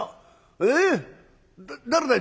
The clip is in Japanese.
えっ誰だい？